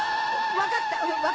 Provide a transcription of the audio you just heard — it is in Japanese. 分かった！